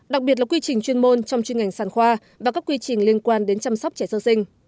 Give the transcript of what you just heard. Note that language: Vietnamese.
đặc biệt là quy trình chuyên môn trong chuyên ngành sản khoa và các quy trình liên quan đến chăm sóc trẻ sơ sinh